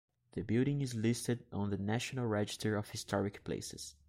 The building is listed on the National Register of Historic Places.